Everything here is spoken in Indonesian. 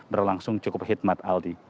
berlangsung cukup khidmat aldi